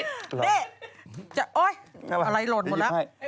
นี่จะโอ๊ยอะไรหล่นหมดแล้ว